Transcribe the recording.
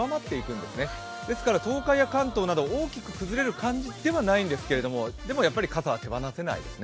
ですから東海や関東では大きく崩れる感じではないんですけど、傘は手放せないですね。